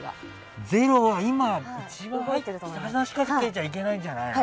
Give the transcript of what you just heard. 今一番話しかけちゃいけないんじゃないの？